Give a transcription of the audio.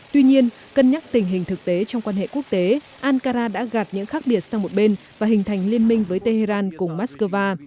tuy nhiên cân nhắc tình hình thực tế trong quan hệ quốc tế ankara đã gạt những khác biệt sang một bên và hình thành liên minh với tehran cùng moscow